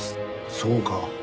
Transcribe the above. そうか。